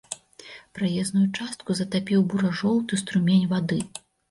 Праезную частку затапіў бура-жоўты струмень вады.